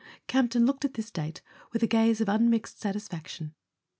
Campton looked at this date with a gaze of unmixed satisfaction.